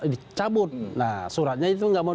dicabut nah suratnya itu nggak mau